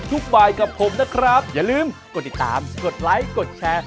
สวัสดีครับ